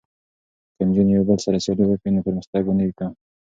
که نجونې یو بل سره سیالي وکړي نو پرمختګ به نه وي کم.